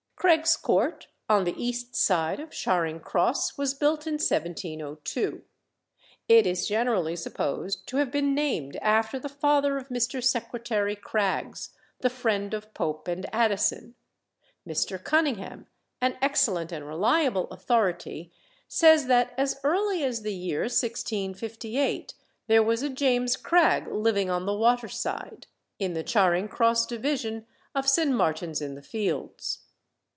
Craig's Court, on the east side of Charing Cross, was built in 1702. It is generally supposed to have been named after the father of Mr. Secretary Craggs, the friend of Pope and Addison: Mr. Cunningham, an excellent and reliable authority, says that as early as the year 1658 there was a James Cragg living on the "water side," in the Charing Cross division of St. Martin's in the Fields.